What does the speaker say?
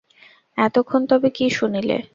এতক্ষণ তবে কী শুনিলে?